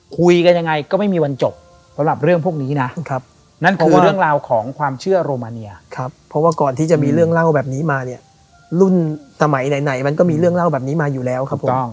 คุยกันยังไงก็ไม่มีวันจบสำหรับเรื่องพวกนี้นะนั่นคือเรื่องราวของความเชื่อโรมาเนียครับเพราะว่าก่อนที่จะมีเรื่องเล่าแบบนี้มาเนี่ยรุ่นสมัยไหนมันก็มีเรื่องเล่าแบบนี้มาอยู่แล้วครับผม